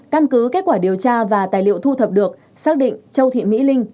căn cứ kết quả điều tra và tài liệu thu thập được xác định châu thị mỹ linh